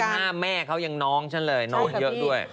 เขายื้อ๒๕แม่เขายังน้องแบบนั้นเลยมานี้เยอะด้วย